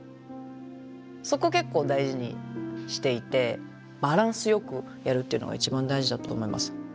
そこ結構大事にしていてバランスよくやるっていうのが一番大事だと思います。